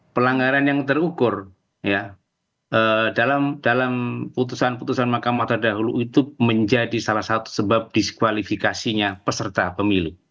pelanggaran yang terukur dalam putusan putusan mahkamah terdahulu itu menjadi salah satu sebab diskualifikasinya peserta pemilu